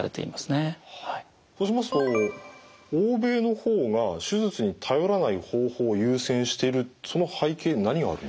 そうしますと欧米の方が手術に頼らない方法を優先してるその背景に何があるんですか？